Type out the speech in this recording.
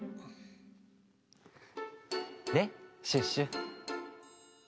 ねっシュッシュ。